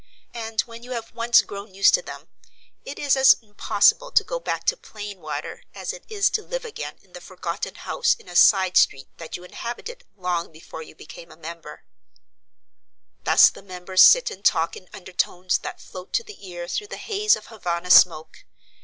And when you have once grown used to them, it is as impossible to go back to plain water as it is to live again in the forgotten house in a side street that you inhabited long before you became a member. Thus the members sit and talk in undertones that float to the ear through the haze of Havana smoke.